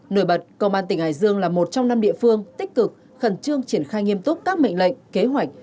nổi bật công an tỉnh hải dương là một trong năm địa phương tích cực khẩn trương triển khai nghiêm túc các mệnh lệnh kế hoạch